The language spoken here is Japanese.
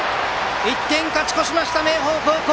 １点勝ち越しました明豊高校！